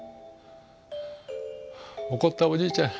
怒ったおじいちゃん